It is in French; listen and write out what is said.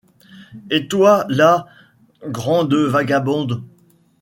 Et toi, la : grande vagabonde